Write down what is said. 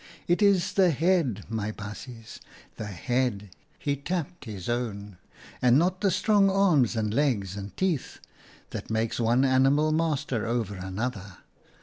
It is the head, my baasjes, the head," he tapped his own, "and not the strong arms and legs and teeth, that makes one animal master over another.